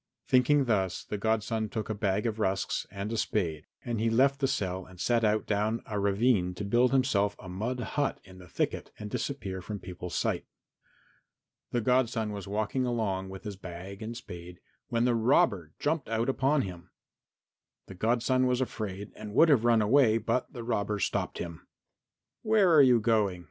Thinking thus the godson took a bag of rusks and a spade, and he left the cell and set out down a ravine to build himself a mud hut in the thicket and disappear from people's sight. The godson was walking along with his bag and spade when the robber jumped out upon him. The godson was afraid and would have run away, but the robber stopped him. "Where are you going?"